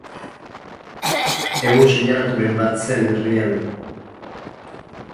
Egun seinalaturen bat zen herrian.